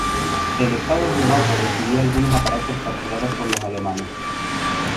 El Estado Eslovaco recibió algunos aparatos capturados por los alemanes.